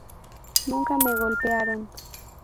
Nunca me golpearon.